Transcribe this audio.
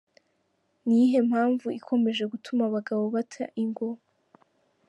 Ni iyihe mpamvu ikomeje gutuma abagabo bata ingo?